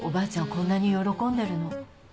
こんなに喜んでるの。